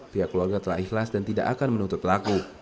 pihak keluarga telah ikhlas dan tidak akan menuntut pelaku